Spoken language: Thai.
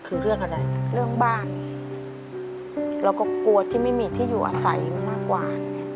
คือเรื่องอะไรเรื่องบ้านเราก็กลัวที่ไม่มีที่อยู่อาศัยมากกว่า